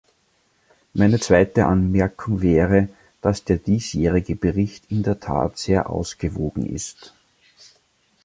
Meine zweite Anmerkung wäre, dass der diesjährige Bericht in der Tat sehr ausgewogen ist.